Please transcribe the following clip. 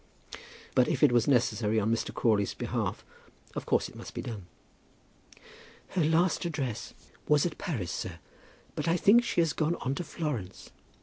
But if it was necessary on Mr. Crawley's behalf, of course it must be done. "Her last address was at Paris, sir; but I think she has gone on to Florence.